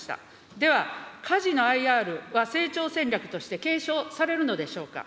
では、カジノＩＲは成長戦略として継承されるのでしょうか。